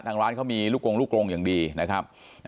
ทางร้านเขามีลูกกลงอย่างดีนะครับ